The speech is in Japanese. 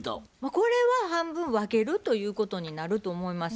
これは半分分けるということになると思います。